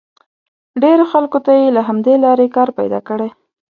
ډېرو خلکو ته یې له همدې لارې کار پیدا کړی.